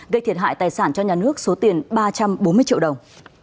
gây thiệt hại tài sản cho nhà nước số tiền ba trăm bốn mươi triệu đồng